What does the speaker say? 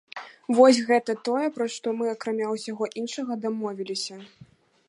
Вось гэта тое, пра што мы, акрамя ўсяго іншага, дамовіліся.